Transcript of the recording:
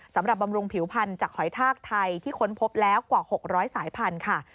บำรุงผิวพันธุ์จากหอยทากไทยที่ค้นพบแล้วกว่า๖๐๐สายพันธุ์ค่ะ